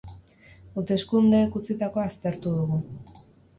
Hauteskundeek utzitakoa aztertu dugu.